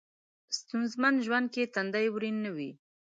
ستونځمن ژوند کې تندی ورین نه وي.